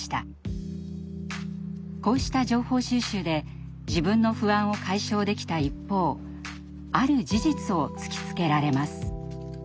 こうした情報収集で自分の不安を解消できた一方ある事実を突きつけられます。